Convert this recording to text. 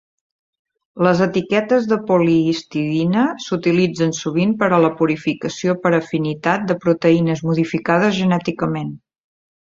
Les etiquetes de polihistidina s'utilitzen sovint per a la purificació per afinitat de proteïnes modificades genèticament.